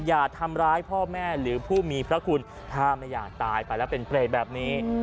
อย่าทำร้ายพ่อแม่หรือผู้มีพระคุณถ้าไม่อยากตายไปแล้วเป็นเปรตแบบนี้